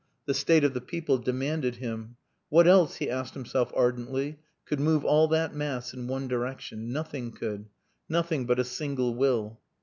The state of the people demanded him, "What else?" he asked himself ardently, "could move all that mass in one direction? Nothing could. Nothing but a single will."